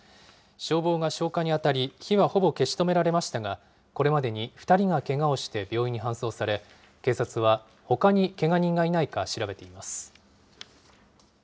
消防が消火に当たり、火はほぼ消し止められましたが、これまでに２人がけがをして病院に搬送され、警察はほかにけが人がいないか調べています。